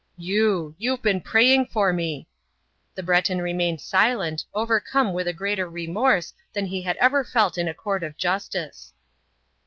"You! You've been praying for me!" The Breton remained silent, overcome with a greater remorse than he had ever felt in a court of justice.